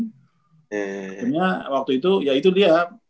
sebenarnya waktu itu ya itu dia